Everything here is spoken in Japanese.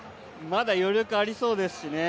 まだ余力ありそうですしね。